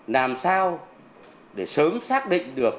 làm sao để sớm xác định được